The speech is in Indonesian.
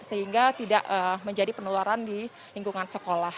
sehingga tidak menjadi penularan di lingkungan sekolah